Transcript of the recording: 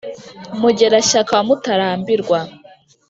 mugera-shyaka wa mutarambirwa,